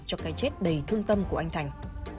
cho cái chết đầy thương tâm của anh thành